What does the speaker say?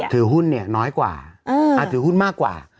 ถือหุ้นน้อยกว่าถือหุ้นมากกว่า